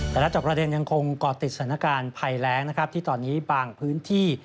แต่ละจากประเด็นยังคงกอดติดศาลการณ์ไพล้แหลงที่ตอนนี้บางพื้นที่